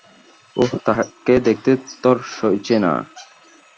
ওহ, তাকে দেখতে তর সইছে না।